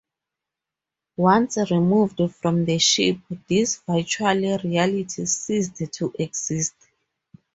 Once removed from the ship, this virtual reality ceased to exist.